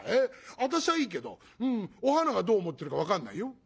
私はいいけどお花がどう思ってるか分かんないよ」。